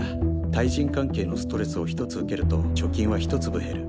対人関係のストレスを１つ受けると貯金は１粒減る。